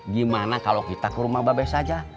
gimana kalo kita ke rumah mbak be saja